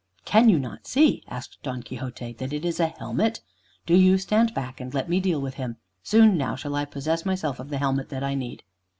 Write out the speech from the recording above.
"Can you not see," asked Don Quixote, "that it is a helmet? Do you stand back, and let me deal with him. Soon now shall I possess myself of the helmet that I need."